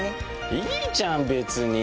いいじゃん別に！